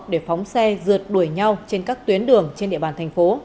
để phóng xe rượt đuổi nhau trên các tuyến đường trên địa bàn thành phố